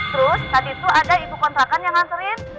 terus saat itu ada ibu kontrakan yang nganterin